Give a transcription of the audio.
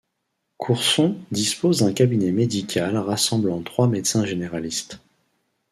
Courçon dispose d'un cabinet médical rassemblant trois médecins généralistes.